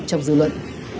trong dự luận